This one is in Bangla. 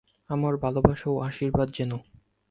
আমার ভালবাসা ও আশীর্বাদ জেনো।